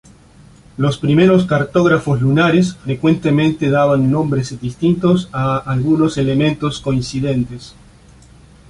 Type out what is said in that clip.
Los primeros cartógrafos lunares frecuentemente daban nombres distintos a algunos elementos coincidentes.